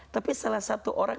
tapi salah satu orang